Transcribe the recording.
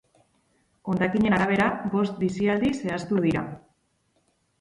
Hondakinen arabera, bost bizialdi zehaztu dira.